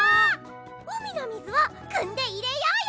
うみのみずをくんでいれようよ！